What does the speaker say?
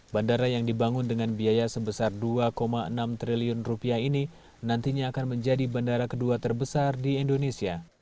bandara yang dibangun dengan biaya sebesar dua enam triliun rupiah ini nantinya akan menjadi bandara kedua terbesar di indonesia